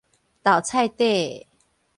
豆菜底的